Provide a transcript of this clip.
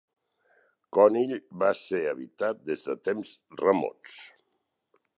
Conill va ser habitat des de temps remots.